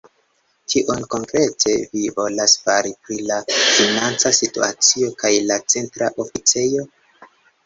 Kion konkrete vi volas fari pri la financa situacio kaj la Centra Oficejo?